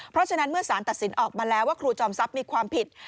เพราะฉะนั้นเมื่อสารตัดสินออกมาแล้วว่าครูจอมทรัพย์มีความผิด